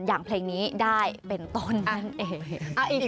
อย่างเพลงนี้ได้เป็นต้นนั่นเอง